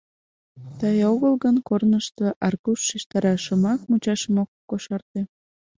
— Тый огыл гын... — корнышто Аркуш шижтара, шомак мучашым ок кошарте.